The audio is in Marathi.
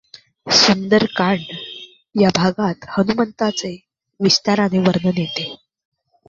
सुंदर कांड या भागात हनुमंताचे विस्ताराने वर्णन येते.